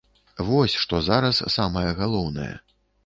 Вось што зараз самае галоўнае.